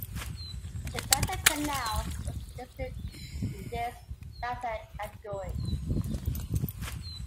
The Grantham Canal was listed in this latter category.